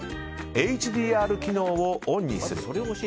Ｂ、ＨＤＲ機能をオンにする。